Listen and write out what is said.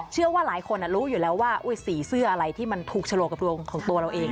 เชื่อว่าหลายคนรู้อยู่แล้วว่าสีเสื้ออะไรที่มันถูกฉลกกับดวงของตัวเราเอง